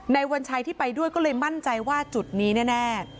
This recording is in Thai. วัญชัยที่ไปด้วยก็เลยมั่นใจว่าจุดนี้แน่